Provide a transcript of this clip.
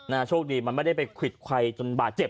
น่าโชคดีมันไม่ได้ไปคลิดควายจนบาดเจ็บ